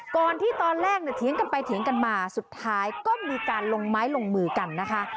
ตอนแรกเนี่ยเถียงกันไปเถียงกันมาสุดท้ายก็มีการลงไม้ลงมือกันนะคะ